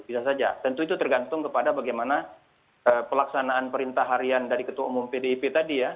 bisa saja tentu itu tergantung kepada bagaimana pelaksanaan perintah harian dari ketua umum pdip tadi ya